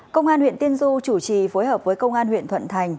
công an huyện tiên du chủ trì phối hợp với công an huyện thuận thành